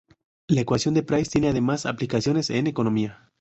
La ecuación de Price tiene además aplicaciones en economía.